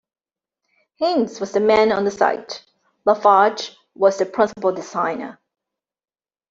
Heins was the man on the site; LaFarge was the principal designer.